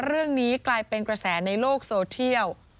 เรื่องนี้กลายเป็นกระแสในโลกโซเทียล